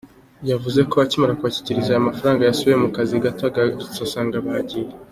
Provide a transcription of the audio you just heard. Yakomeje avuga ko akimara kubashyikiriza aya mafaranga, yasubiye mu kazi gato, agarutse asanga bagiye.